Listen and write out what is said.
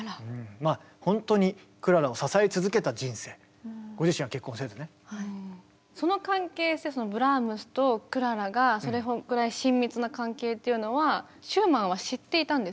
まあ本当にその関係性ブラームスとクララがそれぐらい親密な関係っていうのはシューマンは知っていたんですか。